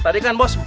tadi kan bos